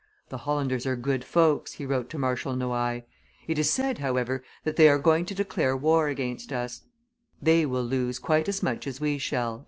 "The Hollanders are good folks," he wrote to Marshal Noailles: "it is said, however, that they are going to declare war against us; they will lose quite as much as we shall."